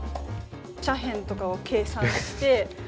斜辺とかを計算して。